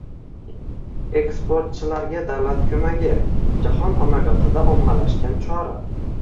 Eksportchilarga davlat ko‘magi — jahon amaliyotida ommalashgan chora.